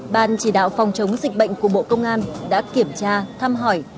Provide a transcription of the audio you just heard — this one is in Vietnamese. ban chỉ đạo phòng chống dịch bệnh của bộ công an đã kiểm tra thăm hỏi